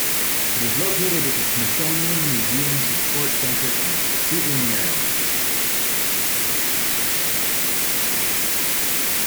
It is located at the Smithsonian Museum Support Center in Suitland, Maryland.